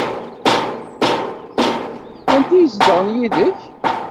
Anti ay izedɣen yid-k?